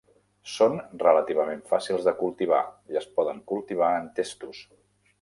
Són relativament fàcils de cultivar, i es poden cultivar en testos.